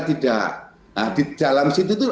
tidak nah di dalam situ tuh